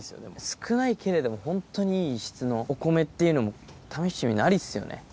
少ないけれども、本当にいい質のお米っていうのも、試してみるの、ありっすよね。